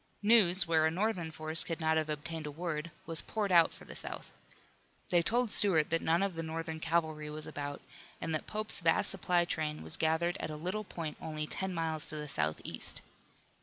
News, where a Northern force could not have obtained a word, was poured out for the South. They told Stuart that none of the Northern cavalry was about, and that Pope's vast supply train was gathered at a little point only ten miles to the southeast.